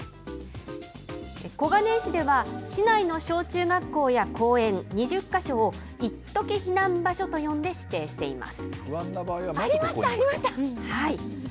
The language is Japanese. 小金井市では、市内の小中学校や公園２０か所を、いっとき避難場所と呼んで指定しています。